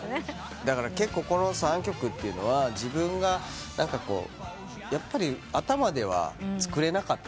だから結構この３曲というのは自分がやっぱり頭では作れなかった。